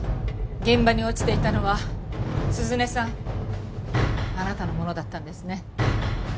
現場に落ちていたのは涼音さんあなたのものだったんですね。